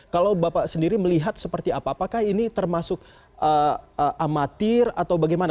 kalau bapak sendiri melihat seperti apa apakah ini termasuk amatir atau bagaimana